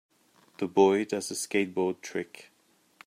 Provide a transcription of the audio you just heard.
The boy does a skateboard trick.